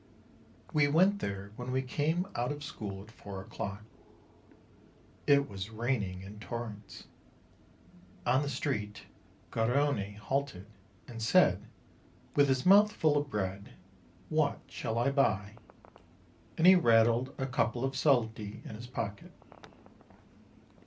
We went there when we came out of school at four o'clock. It was raining in torrents. On the street Garrone halted, and said, with his mouth full of bread : "What shall I buy?" and he rattled a couple of soldi 198 MARCH in his pocket.